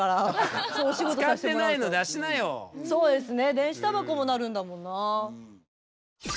そうですね。